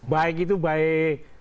baik itu baik